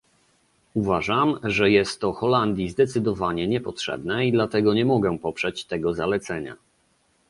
Uważam, że jest to Holandii zdecydowanie niepotrzebne i dlatego nie mogę poprzeć tego zalecenia